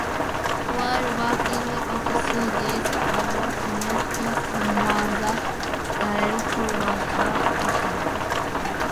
While working at Suzy's, Ava met Samantha Style, who was a customer.